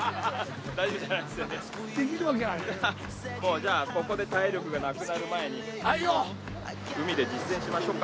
じゃあここで体力がなくなる前に海で実践しましょうか。